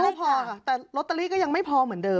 ก็พอค่ะแต่ลอตเตอรี่ก็ยังไม่พอเหมือนเดิ